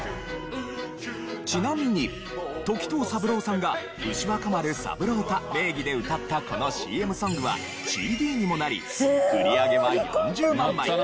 ちなみに時任三郎さんが牛若丸三郎太名義で歌ったこのＣＭソングはＣＤにもなり売り上げは４０万枚！